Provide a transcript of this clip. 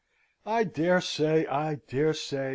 I dare say; I dare say!